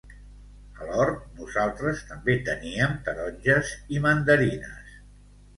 A l’hort nosaltres també teníem taronges i mandarines.